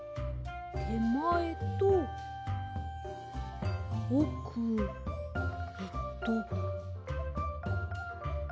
てまえとおくえっと。